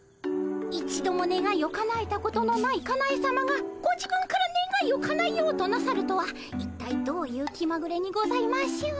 一度もねがいをかなえたことのないかなえさまがご自分からねがいをかなえようとなさるとは一体どういう気まぐれにございましょう。